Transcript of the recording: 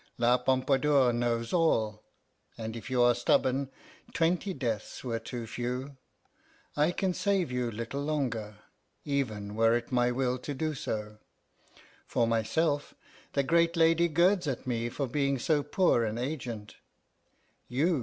La Pompadour knows all, and if you are stubborn, twenty deaths were too few. I can save you little longer, even were it my will so to do. For myself, the great lady girds at me for being so poor an agent.